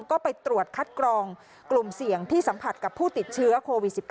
ก็ไปตรวจคัดกรองกลุ่มเสี่ยงที่สัมผัสกับผู้ติดเชื้อโควิด๑๙